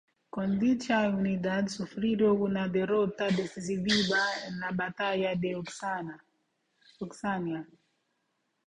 Con dicha unidad sufrió una derrota decisiva en la batalla de Ocaña.